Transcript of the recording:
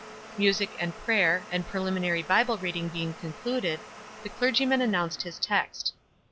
Music, and prayer ; and preliminary Bible reading being concluded, the clergyman an nounced his text.